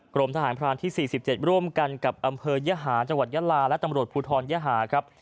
กรมทหารพรานที่๔๗ร่วมกันกับอำเภอยหาจังหวัดยาลาและตำรวจภูทรยหาครับ